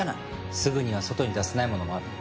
すぐには外に出せないものもある。